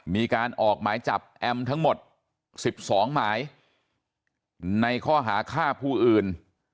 มีการออกหมายจับแอมทั้งหมด๑๒หมายในข้อหาฆ่าผู้อื่น